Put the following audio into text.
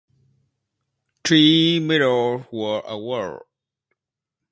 Three medals were awarded.